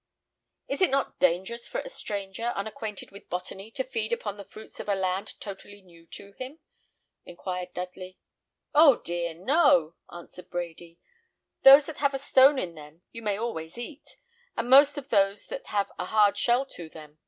"Is it not dangerous for a stranger, unacquainted with botany, to feed upon the fruits of a land totally new to him?" inquired Dudley. "Oh dear, no!" answered Brady. "Those that have a stone in them you may always eat, and most of those that have a hard shell to them.